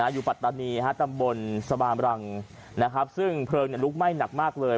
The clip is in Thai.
ปัตตานีตำบลสบามรังซึ่งเพลิงลุกไหม้หนักมากเลย